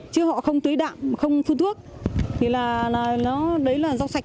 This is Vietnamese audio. chứ họ không tưới đạm không phun thuốc thì đấy là rau sạch của gia đình người ta